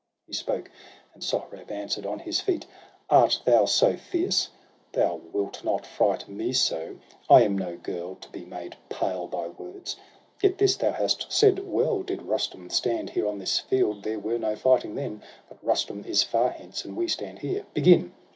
He spoke; and Sohrab answer'd, on his feet: —* Art thou so fierce ? Thou wilt not fright me so ! I am no girl, to be made pale by words. Yet this thou hast said well, did Rustum stand Here on this field, there were no fighting then. But Rustum is far hence, and we stand here. Begin